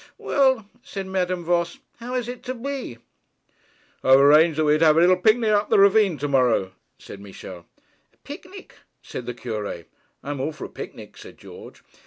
'Well,' said Madame Voss, 'how is it to be?' 'I've arranged that we're to have a little picnic up the ravine to morrow,' said Michel. 'A picnic!' said the Cure. 'I'm all for a picnic,' said George.